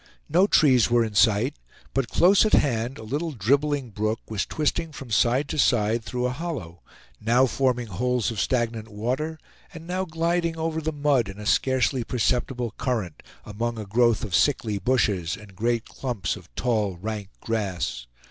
No trees were in sight; but close at hand, a little dribbling brook was twisting from side to side through a hollow; now forming holes of stagnant water, and now gliding over the mud in a scarcely perceptible current, among a growth of sickly bushes, and great clumps of tall rank grass.